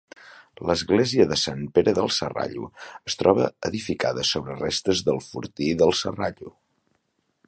L'Església de Sant Pere del Serrallo es troba edificada sobre restes del Fortí del Serrallo.